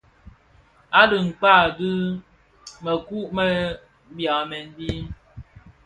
A dhikpaa, bi mëku më byamèn bi.